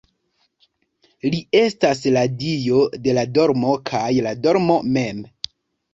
Li estas la dio de dormo kaj la dormo mem.